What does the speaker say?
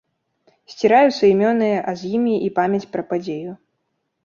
Сціраюцца імёны, а з імі і памяць пра падзею.